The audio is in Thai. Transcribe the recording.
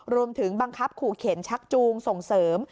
รวมถึงบังคับขู่เข็นชักจูงส่งเสริม